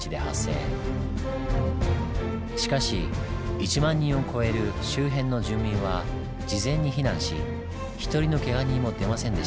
しかし１万人を超える周辺の住民は事前に避難し１人のけが人も出ませんでした。